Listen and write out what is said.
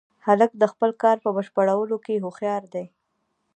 هلک د خپل کار په بشپړولو کې هوښیار دی.